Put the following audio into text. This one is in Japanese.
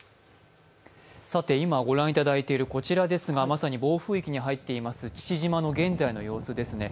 今、ご覧いただいているこちらですが、まさに暴風域に入っている父島の現在の様子です。